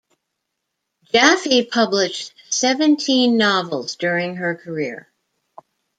Jaffe published seventeen novels during her career.